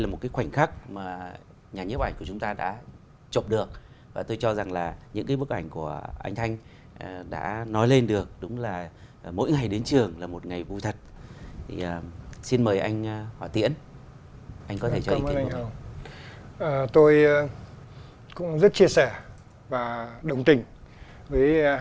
một bức ảnh của một trường dành cho các cháu khiếm thị